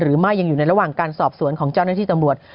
หรือยังอยู่ในระหว่างการสอบสวนของเจ้าหน้าที่ตำรวจ